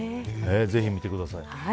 ぜひ見てください。